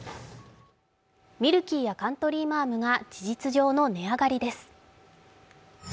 ミルキーやカントリーマアムが事実上の値上がりです。